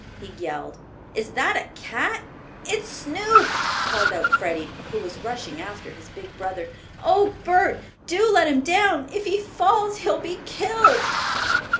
he yelled. "Is that a cat?" "It's Snoop!" called out Freddie, who was rushing after his big brother. "Oh, Bert, do let him down. If he falls, he'll be killed."